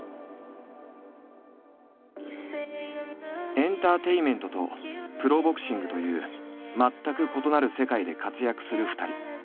エンターテインメントとプロボクシングという全く異なる世界で活躍する２人。